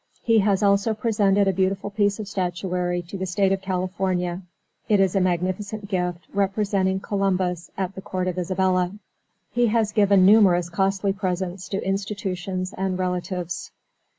He has also presented a beautiful piece of statuary to the State of California. It is a magnificent gift, representing Columbus at the court of Isabella. He has given numerous costly presents to institutions and relatives.